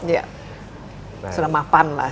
ya sulamapan lah